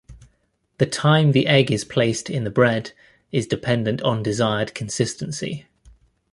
The time the egg is placed in the bread is dependent on desired consistency.